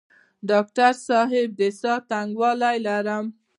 ډاکټر صاحب د ساه تنګوالی لرم؟